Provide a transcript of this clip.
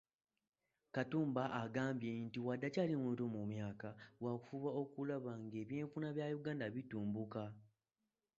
Katumba agambye nti wadde akyali muto mu myaka, waakufuba okulaba ng'ebyenfuna bya Uganda bitumbuka.